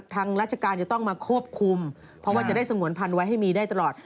ทางราชการจะต้องมาควบคุมเพราะว่าจะได้สงวนพันธุ์ไว้ให้มีได้ตลอด